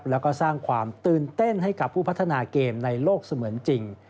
แล้วก็สร้างความตื่นเต้นให้กับผู้พัฒนาเกมในโลกเสมือนจริง